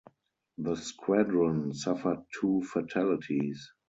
The Squadron suffered two fatalities.